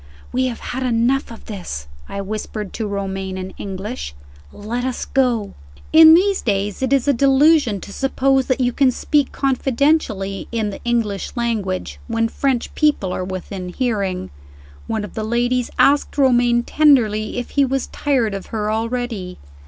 "We have had enough of this," I whispered to Romayne in English. "Let us go." In these days it is a delusion to suppose that you can speak confidentially in the English language, when French people are within hearing. One of the ladies asked Romayne, tenderly, if he was tired of her already.